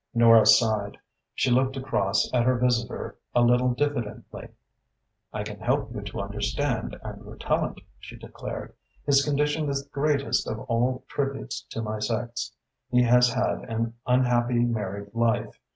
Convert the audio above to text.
Nora sighed. She looked across at her visitor a little diffidently. "I can help you to understand Andrew Tallente," she declared. "His condition is the greatest of all tributes to my sex. He has had an unhappy married life.